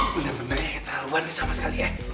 benar benar yang ketahuan nih sama sekali ya